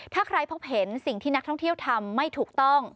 ถ้าใครพบเห็นสิ่งที่นักท่องเที่ยวทำไม่ถูกต้อง